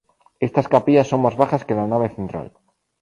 Estas capillas son más bajas que la nave central.